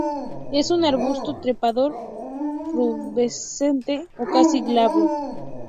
Es un arbusto trepador, pubescente o casi glabro.